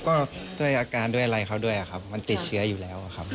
ก็ด้วยอาการด้วยอะไรเขาด้วยครับมันติดเชื้ออยู่แล้วครับ